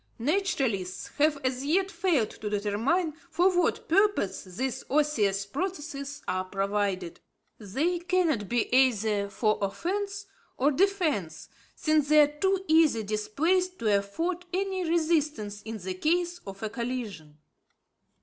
Naturalists have, as yet, failed to determine for what purpose these osseous processes are provided. They cannot be either for offence or defence, since they are too easily displaced to afford any resistance in the case of a collision.